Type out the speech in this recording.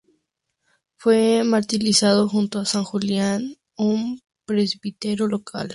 Fue martirizado junto a san Julián, un presbítero local.